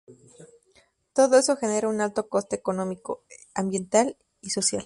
Todo eso genera un alto coste económico, ambiental y social.